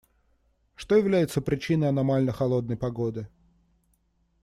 Что является причиной аномально холодной погоды?